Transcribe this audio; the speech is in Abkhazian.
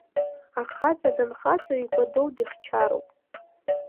Ахаҵа данхаҵоу, икәадоу дихьчароуп.